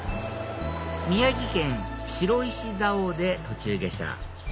宮城県白石蔵王で途中下車